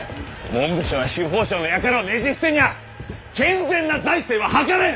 文部省や司法省の輩をねじ伏せんにゃ健全な財政は図れん！